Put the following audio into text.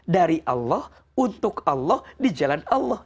dari allah untuk allah di jalan allah